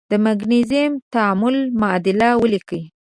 د مګنیزیم د تعامل معادله ولیکئ.